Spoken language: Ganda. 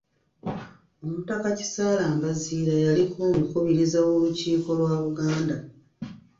Omutaka Kisaala Mbaziira yaliko omukubiriza w’Olukiiko lwa Buganda.